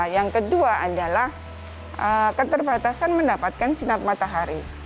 yang kedua adalah keterbatasan mendapatkan sinar matahari